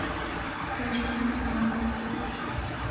که ژوند ته پام وکړو